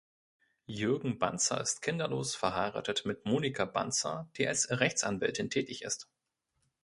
Jürgen Banzer ist kinderlos verheiratet mit Monika Banzer, die als Rechtsanwältin tätig ist.